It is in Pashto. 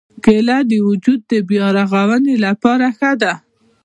کېله د وجود د بیا رغونې لپاره ښه ده.